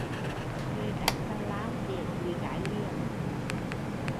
Người tánh tào lao dễ bị gái lừa